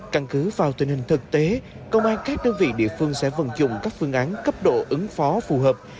căn cứ vào tình hình thực tế công an các đơn vị địa phương sẽ vận dụng các phương án cấp độ ứng phó phù hợp